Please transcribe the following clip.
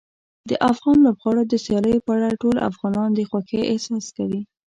د افغان لوبغاړو د سیالیو په اړه ټول افغانان د خوښۍ احساس کوي.